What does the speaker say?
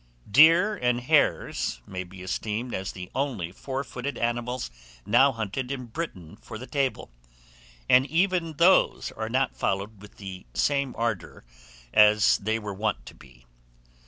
DEER AND HARES may be esteemed as the only four footed animals now hunted in Britain for the table; and even those are not followed with the same ardour as they were wont to be.